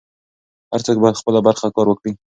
هر څوک بايد خپله برخه کار وکړي.